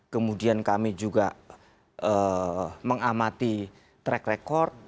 kemudian kami juga mengamati track record